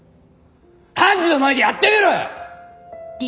判事の前でやってみろよ！